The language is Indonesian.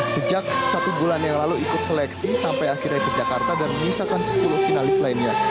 sejak satu bulan yang lalu ikut seleksi sampai akhirnya ke jakarta dan menyisakan sepuluh finalis lainnya